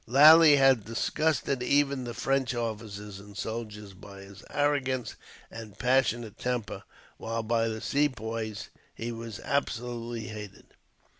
Lally had disgusted even the French officers and soldiers by his arrogance, and passionate temper; while by the Sepoys he was absolutely hated.